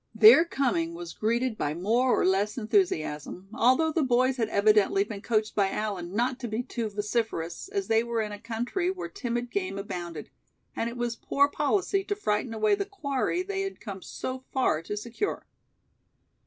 Their coming was greeted by more or less enthusiasm, although the boys had evidently been coached by Allan not to be too vociferous, as they were in a country where timid game abounded, and it was poor policy to frighten away the quarry they had come so far to secure.